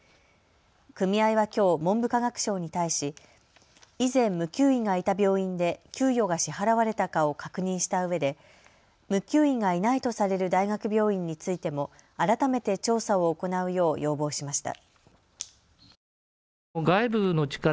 組合はきょう、文部科学省に対し以前、無給医がいた病院で給与が支払われたかを確認したうえで無給医がいないとされる大学病院についても改めて調査を行うよう要望しました。